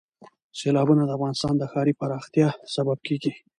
سیلابونه د افغانستان د ښاري پراختیا سبب کېږي.